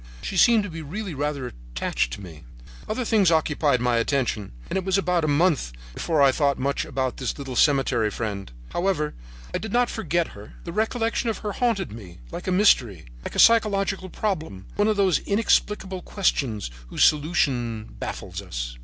She seemed to be really rather attached to me. "Other things occupied my attention, and it was about a month before I thought much about this little cemetery friend. However, I did not forget her. The recollection of her haunted me like a mystery, like a psychological problem, one of those inexplicable questions whose solution baffles us.